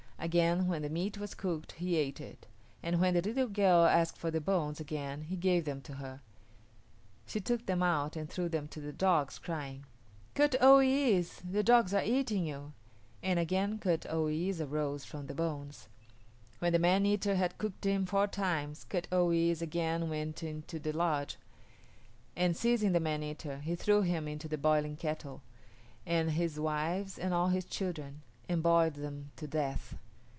Again when the meat was cooked he ate it, and when the little girl asked for the bones again he gave them to her. She took them out and threw them to the dogs, crying, "Kut o yis´, the dogs are eating you," and again Kut o yis´ arose from the bones. When the man eater had cooked him four times Kut o yis´ again went into the lodge, and seizing the man eater, he threw him into the boiling kettle, and his wives and all his children, and boiled them to death.